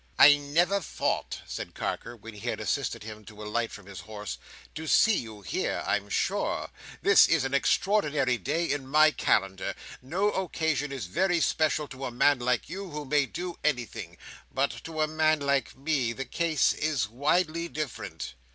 "I never thought," said Carker, when he had assisted him to alight from his horse, "to see you here, I'm sure. This is an extraordinary day in my calendar. No occasion is very special to a man like you, who may do anything; but to a man like me, the case is widely different."